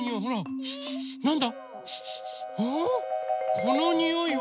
このにおいは。